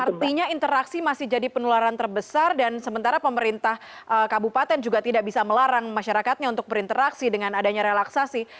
artinya interaksi masih jadi penularan terbesar dan sementara pemerintah kabupaten juga tidak bisa melarang masyarakatnya untuk berinteraksi dengan adanya relaksasi